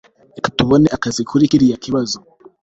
reka tubone akazi kuri kiriya kibazo